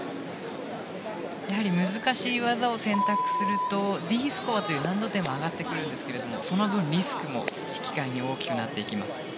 やはり難しい技を選択するとＤスコアという難度点は上がってくるんですがその分、リスクも引き換えに大きくなっていきます。